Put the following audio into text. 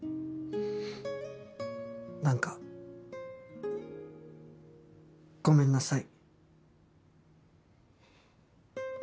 何かごめんなさい。